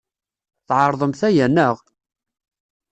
Tɛerḍemt aya, naɣ?